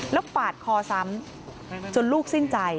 แล้วปาดคอซ้ำจนลูกสิ้นใจ